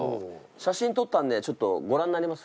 写真撮ったんでちょっとご覧になります？